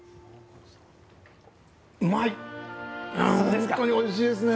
本当においしいですね。